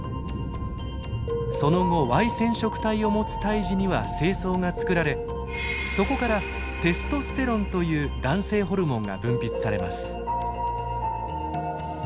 その後Ｙ染色体を持つ胎児には精巣が作られそこからテストステロンという男性ホルモンが分泌されます。